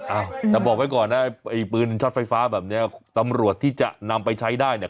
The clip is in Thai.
อ่ะแต่บอกไว้ก่อนนะไอ้ปืนช็อตไฟฟ้าแบบนี้ตำรวจที่จะนำไปใช้ได้เนี่ย